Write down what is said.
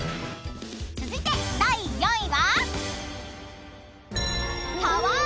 ［続いて第４位は］